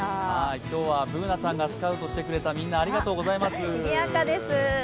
今日はＢｏｏｎａちゃんがスカウトしてくれたみんな、ありがとうございます。